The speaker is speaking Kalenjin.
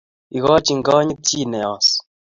Ikochi konyit chi ne os